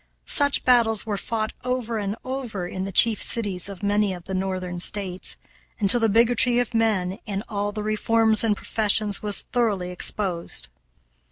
Such battles were fought over and over in the chief cities of many of the Northern States, until the bigotry of men in all the reforms and professions was thoroughly exposed.